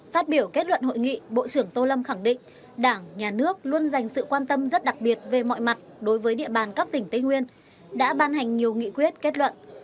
phát biểu kết luận hội nghị bộ trưởng tô lâm khẳng định đảng nhà nước luôn dành sự quan tâm rất đặc biệt về mọi mặt đối với địa bàn các tỉnh tây nguyên đã ban hành nhiều nghị quyết kết luận